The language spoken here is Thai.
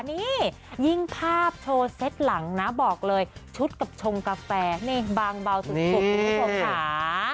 นี่ยิ่งภาพโชว์เซ็ตหลังนะบอกเลยชุดกับชงกาแฟบางเบาสุดขวบขา